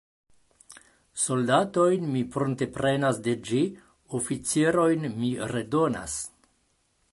Soldatojn mi prunteprenas de ĝi, oficirojn mi redonas.